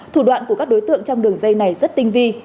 thủ đoạn của các đối tượng trong đường dây này rất tinh vi